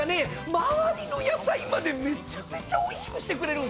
周りの野菜までめちゃくちゃおいしくしてくれるんすよ。